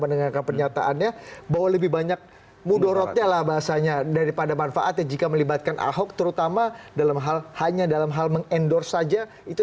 apa adanya jika melibatkan ahok terutama dalam hal hanya dalam hal meng endorse saja